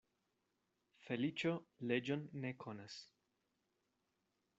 Feliĉo leĝon ne konas.